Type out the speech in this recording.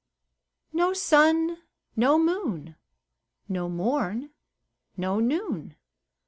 NO sun no moon! No morn no noon!